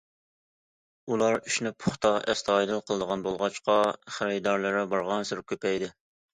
ئۇلار ئىشنى پۇختا، ئەستايىدىل قىلىدىغان بولغاچقا خېرىدارلىرى بارغانسېرى كۆپەيدى.